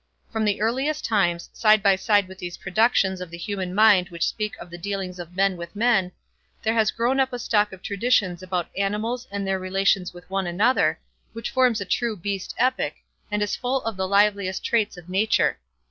From the earliest times, side by side with those productions of the human mind which speak of the dealings of men with men, there has grown up a stock of traditions about animals and their relations with one another, which forms a true Beast Epic, and is full of the liveliest traits of nature.